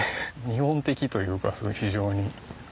日本的というか非常に。